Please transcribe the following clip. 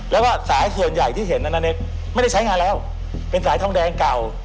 แล้วก็สายส่วนใหญ่ที่เห็นนั้นไม่ได้ใช้งานแล้วเป็นสายทองแดงเก่า